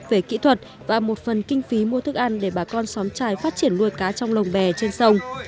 về kỹ thuật và một phần kinh phí mua thức ăn để bà con xóm trài phát triển nuôi cá trong lồng bè trên sông